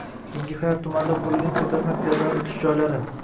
Yangihayot tumanida qurilgan ko‘tarma piyodalar o‘tish joylari